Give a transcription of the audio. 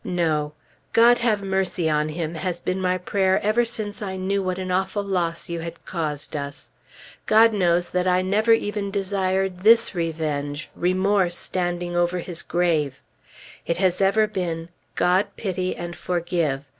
No! "God have mercy on him!" has been my prayer ever since I knew what an awful loss you had caused us. God knows that I never even desired this revenge remorse standing over his grave. It has ever been, "God pity and forgive!"